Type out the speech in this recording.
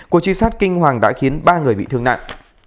cuộc truy sát kinh hoàng đã khiến ba người bị thương nặng